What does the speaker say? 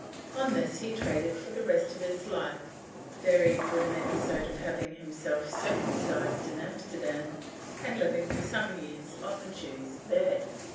On this he traded for the rest of his life, varied with an episode of having himself circumcised in Amsterdam and living for some years on the Jews there.